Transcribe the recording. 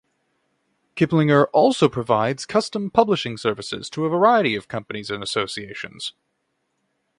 Kiplinger also provides custom publishing services to a variety of companies and associations.